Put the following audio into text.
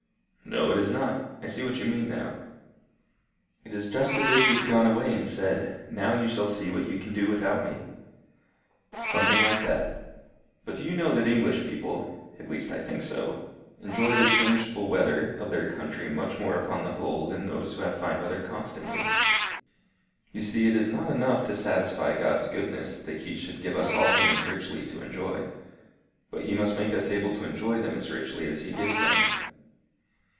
"No, it is not. I see what you mean now." "It is just as if he had gone away and said, 'Now you shall see what you can do without me.' "Something like that. But do you know that English people at least I think so enjoy the changeful weather of their country much more upon the whole than those who have fine weather constantly? You see it is not enough to satisfy God's goodness that he should give us all things richly to enjoy, but he must make us able to enjoy them as richly as he gives them.